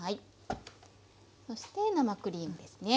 そして生クリームですね。